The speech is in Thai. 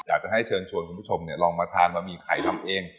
อยากจะให้เชิญชวนคุณผู้ชมลองมาทานบะหมี่ไข่ดำเอง